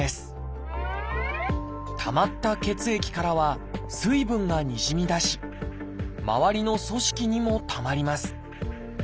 たまった血液からは水分がにじみ出し周りの組織にもたまります。